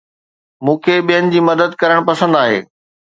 مون کي ٻين جي مدد ڪرڻ پسند آهي